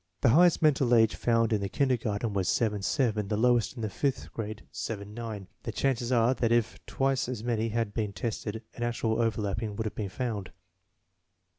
The highest mental age found in the kindergarten was 7 7, the lowest in the fifth grade 7 9. The chances are that if twice as many had been tested an actual overlapping would have been found.